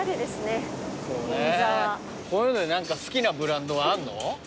こういうので何か好きなブランドはあるの？